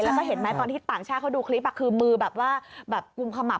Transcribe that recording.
แล้วก็เห็นไหมตอนที่ต่างชาติเขาดูคลิปคือมือแบบว่าแบบกุมขมับ